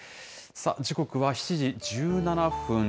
時刻は７時１７分。